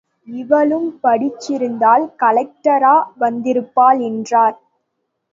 இவளும் படிச்சிருந்தால் கலெக்டரா வந்திருப்பாள் என்றார்.